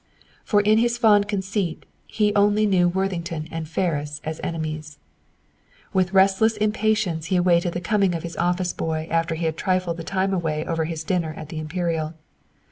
For, in his fond conceit, he only knew Worthington and Ferris as enemies. With a restless impatience, he awaited the coming of his office boy after he had trifled the time away over his dinner at the Imperial.